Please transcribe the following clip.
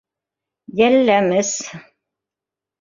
Иәлләмес.